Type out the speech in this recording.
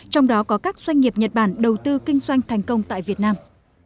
trong đó có các doanh nghiệp nhật bản đầu tư kinh doanh thành công tại việt nam